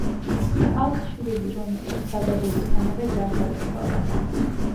ჰყავდა შვილი, რომელიც დაბადებისთანავე გარდაიცვალა.